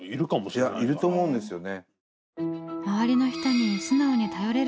いやいると思うんですよね。